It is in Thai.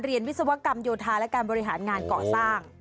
วิศวกรรมโยธาและการบริหารงานก่อสร้าง